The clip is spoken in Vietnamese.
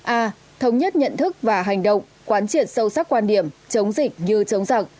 a thống nhất nhận thức và hành động quán triệt sâu sắc quan điểm chống dịch như chống giặc